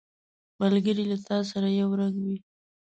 ملګری له تا سره یو رنګ وي